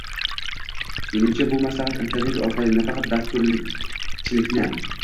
Menimcha bu maslahat internet orqali nafaqat dasturchilikni